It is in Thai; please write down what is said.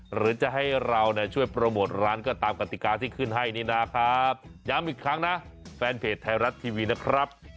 หรือจะให้เราเนี่ยช่วยโปรโมทร้านก็ตามกติกาที่ขึ้นให้นี่นะครับย้ำอีกครั้งนะแฟนเพจไทยรัฐทีวีนะครับ